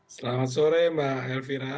selamat sore mbak elvira